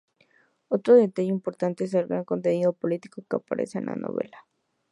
Otro detalle importante, es el gran contenido político que aparece en la novela.